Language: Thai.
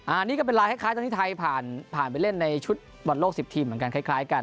อันนี้ก็เป็นลายคล้ายตอนที่ไทยผ่านไปเล่นในชุดบอลโลก๑๐ทีมเหมือนกันคล้ายกัน